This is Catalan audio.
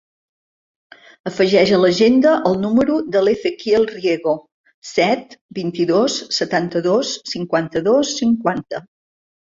Afegeix a l'agenda el número de l'Ezequiel Riego: set, vint-i-dos, setanta-dos, cinquanta-dos, cinquanta.